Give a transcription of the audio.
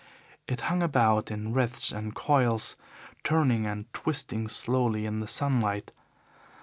It hung about in wreaths and coils, turning and twisting slowly in the sunlight.